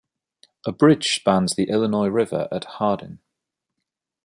A bridge spans the Illinois River at Hardin.